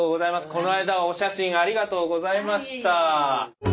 この間はお写真ありがとうございました。